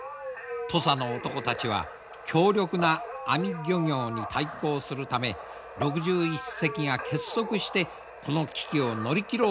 土佐の男たちは強力な網漁業に対抗するため６１隻が結束してこの危機を乗り切ろうとしているのだ。